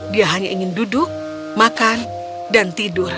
dia hanya ingin duduk makan dan tidur